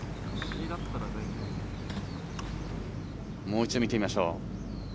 もう一度、見てみましょう。